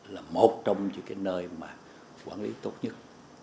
là một trong những cái nơi mà quản lý tốt nhất